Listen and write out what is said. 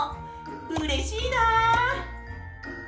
うれしいな。